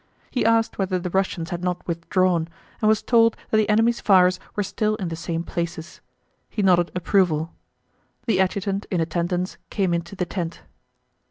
He asked whether the Russians had not withdrawn, and was told that the enemy's fires were still in the same places. He nodded approval. The adjutant in attendance came into the tent.